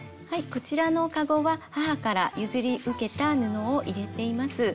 こちらの籠は母から譲り受けた布を入れています。